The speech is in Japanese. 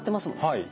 はい。